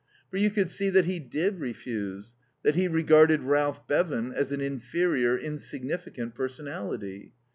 For you could see that he did refuse, that he regarded Ralph Bevan as an inferior, insignificant personality.